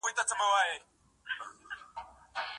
انټرنیټ د فکري استعدادونو د ودې لامل کیږي.